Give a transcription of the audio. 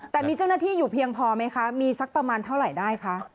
แต่มีเจ้าหน้าที่อยู่เพียงพอไหมคะมีสักประมาณเท่าไหร่ได้คะ